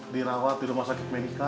dirawat di rumah sakit medica